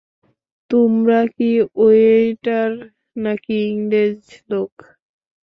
তোমরা কি ওয়েইটার নাকি ইংরেজ লোক?